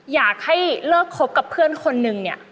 อยากให้เลิกคบกับเพื่อนคนนึงเนี่ย